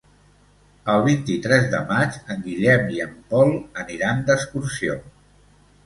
El vint-i-tres de maig en Guillem i en Pol aniran d'excursió.